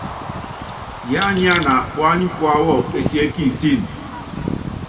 Yiányánana puányi púáwɔ enseé kinsííni.